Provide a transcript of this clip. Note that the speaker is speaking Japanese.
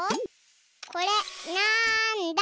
これなんだ？